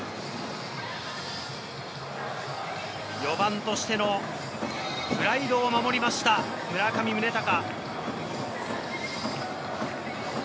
４番としてのプライドを守りました、村上宗隆。